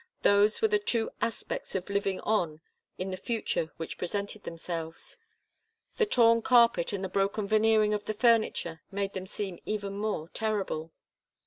Those were the two aspects of living on in the future which presented themselves. The torn carpet and the broken veneering of the furniture made them seem even more terrible.